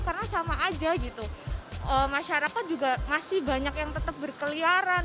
karena sama aja gitu masyarakat juga masih banyak yang tetap berkeliaran